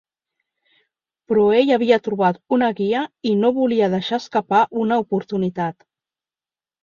Però ell havia trobat una guia i no volia deixar escapar una oportunitat.